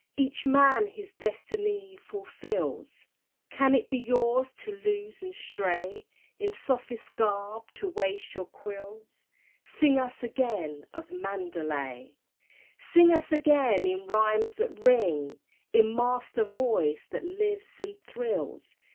Each man his destiny fulfills; Can it be yours to loose and stray; In sophist garb to waste your quills?— Sing us again of Mandalay! Sing us again in rhymes that ring, In Master Voice that lives and thrills.